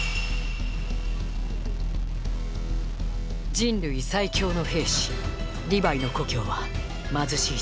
人類最強の兵士リヴァイの故郷は貧しい地下都市。